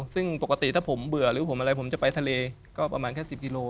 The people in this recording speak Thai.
ซึ่งปกติถ้าผมเบื่อหรือผมอะไรผมจะไปทะเลก็ประมาณแค่๑๐กิโล